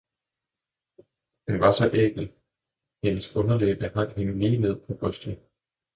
hun var så ækel, hendes underlæbe hang hende lige ned på brystet.